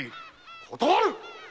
断る‼